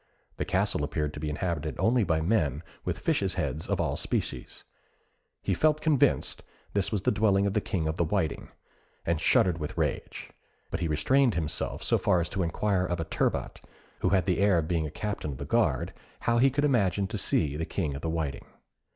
The castle appeared to be inhabited only by men with fishes' heads of all species. He felt convinced this was the dwelling of the King of the Whiting, and shuddered with rage; but he restrained himself so far as to inquire of a turbot, who had the air of being a captain of the guard, how he could manage to see the King of the Whiting.